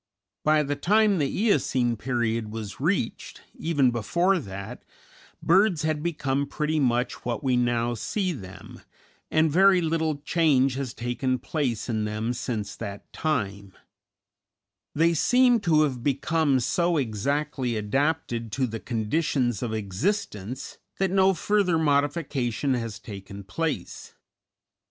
By the time the Eocene Period was reached, even before that, birds had become pretty much what we now see them, and very little change has taken place in them since that time; they seem to have become so exactly adapted to the conditions of existence that no further modification has taken place.